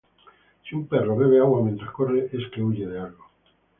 Si un perro bebe agua mientras corre, es que huye de algo.